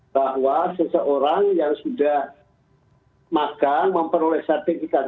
bahwa seseorang yang sudah makan memperoleh sertifikat